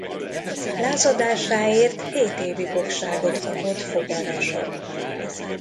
Lázadásáért hét évi fogságot kapott Fogarason.